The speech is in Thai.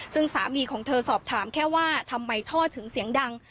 ซึ่งสามีของเธอสอบถามแค่ว่าทำไมท่อถึงเสียงดัง